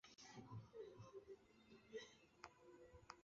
至和二年充镇海军节度使判亳州。